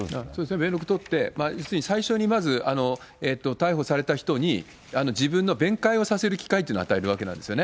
弁録とって、最初にまず逮捕された人に自分の弁解をさせる機会っていうのを与えるわけなんですね。